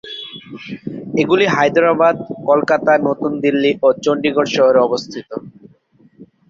এগুলি হায়দরাবাদ, কলকাতা, নতুন দিল্লি ও চণ্ডীগড় শহরে অবস্থিত।